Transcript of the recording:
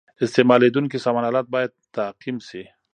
استعمالیدونکي سامان آلات باید تعقیم شي.